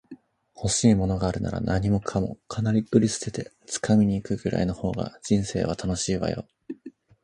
欲しいものがあるなら、何もかもかなぐり捨てて掴みに行くぐらいの方が人生は楽しいわよ